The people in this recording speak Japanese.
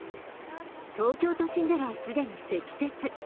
東京都心では既に積雪。